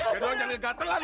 jangan ngegatelan lu